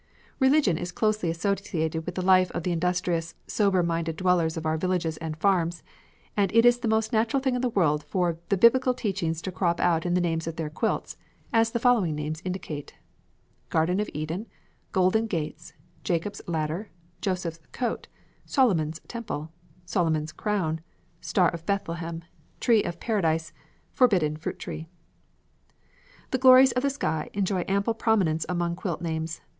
Religion is closely associated with the life of the industrious, sober minded dwellers of our villages and farms, and it is the most natural thing in the world for the Biblical teachings to crop out in the names of their quilts, as the following names indicate: Garden of Eden Golden Gates Jacob's Ladder Joseph's Coat Solomon's Temple Solomon's Crown Star of Bethlehem Tree of Paradise Forbidden Fruit Tree The glories of the sky enjoy ample prominence among quilt names.